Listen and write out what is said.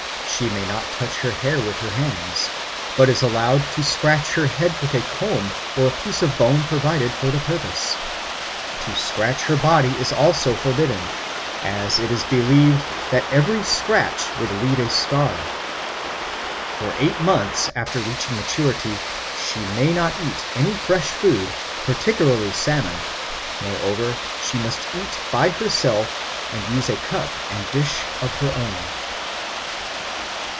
She may not touch her hair with her hands, but is allowed to scratch her head with a comb or a piece of bone provided for the purpose. To scratch her body is also forbidden, as it is believed that every scratch would leave a scar. For eight months after reaching maturity she may not eat any fresh food, particularly salmon; moreover, she must eat by herself, and use a cup and dish of her own.